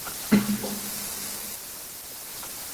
Ojos pequeños y pupila redonda.